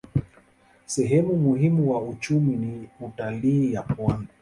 Sehemu muhimu wa uchumi ni utalii ya pwani.